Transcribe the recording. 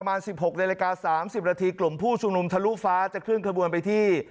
ประมาณ๑๖นาที๓๐นาทีจึงกลมผู้ชูนมทะลูฟ้าจะเคลื่อนขบวนไปที่